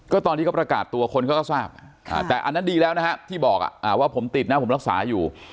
ก็ตอนที่เขาประกาศตัวคนเขาก็ทราบแต่อันนั้นดีแล้วนะฮะที่บอกว่าผมติดนะผมรักษาอยู่